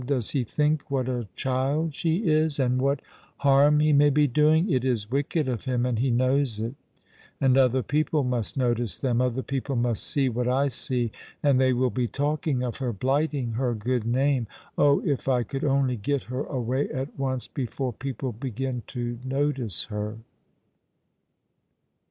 "Does he think what a child she is, and what barm he may be doing ? It is wicked of him, and he knows it ; and other people must notice them — other people must see what I see — and they will be talking of her, blighting her good name. Oh, if I could only get her away at once before people begin to notice her